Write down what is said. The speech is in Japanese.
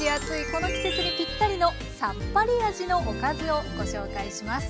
この季節にぴったりのさっぱり味のおかずをご紹介します。